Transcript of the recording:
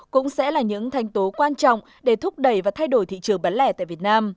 cũng sẽ là những thanh tố quan trọng để thúc đẩy và thay đổi thị trường bán lẻ tại việt nam